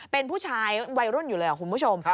เป็นผู้ชายวัยรุ่นอยู่เลยคุณผู้ชม